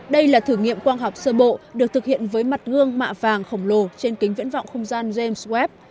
đây là thử nghiệm quang học sơ bộ được thực hiện với mặt gương mạ vàng khổng lồ trên kính viễn vọng không gian games sward